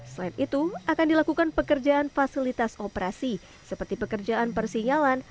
selain itu akan dilakukan pekerjaan fasilitas operasi seperti pekerjaan persinyalan